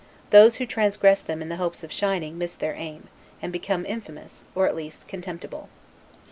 Those who transgress them in the hopes of shining, miss their aim, and become infamous, or at least, contemptible.